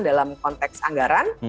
dalam konteks anggaran